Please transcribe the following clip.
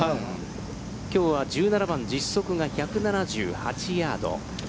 きょうは１７番、実測が１７８ヤード。